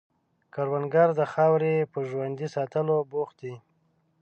کروندګر د خاورې په ژوندي ساتلو بوخت دی